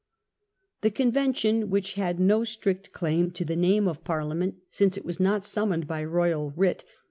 The Convention, which had no strict claim to the name of Parliament since it was not summoned by royal writ